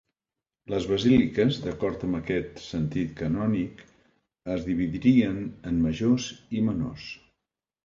Les basíliques, d'acord amb aquest sentit canònic, es dividirien en majors i menors.